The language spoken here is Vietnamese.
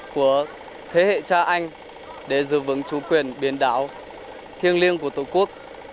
của thế hệ cha anh để giữ vững chủ quyền biển đảo thiêng liêng của tổ quốc